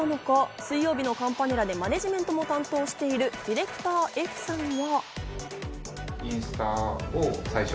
水曜日のカンパネラでマネジメントを担当しているＤｉｒ．Ｆさんは。